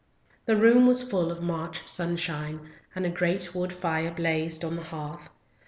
The room was full of March sunshine, and a great wood fire blazed on the hearth.